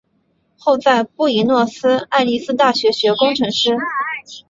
后在布宜诺斯艾利斯大学学工程师。